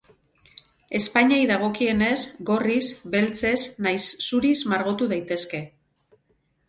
Ezpainei dagokienez, gorriz, beltzez nahiz zuriz margotu daitezke.